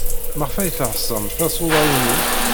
Maɣef ay teɛṣam tasunḍa-inu?